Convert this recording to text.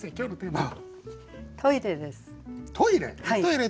「トイレ」です。